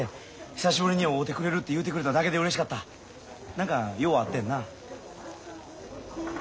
何か用あってんな？